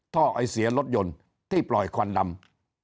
ไอเสียรถยนต์ที่ปล่อยควันดำ